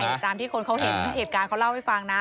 ตามที่คนเขาเห็นเหตุการณ์เขาเล่าให้ฟังนะ